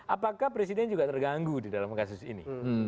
apakah presiden juga terganggu di dalam kasus ini